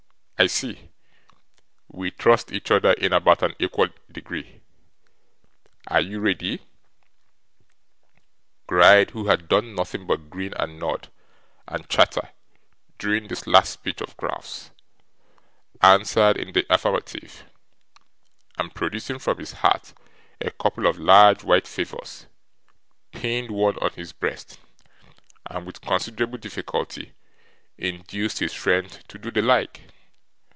I see. We trust each other in about an equal degree. Are you ready?' Gride, who had done nothing but grin, and nod, and chatter, during this last speech of Ralph's, answered in the affirmative; and, producing from his hat a couple of large white favours, pinned one on his breast, and with considerable difficulty induced his friend to do the like.